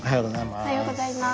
おはようございます。